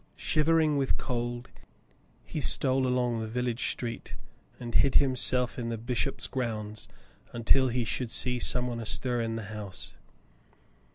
Shivering with cold, he stole along the village street and hid himself in the bishop's grounds until he should see some one astir in the house.